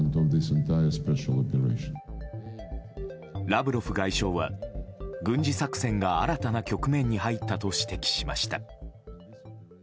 ラブロフ外相は軍事作戦が新たな局面に入ったと指摘しました。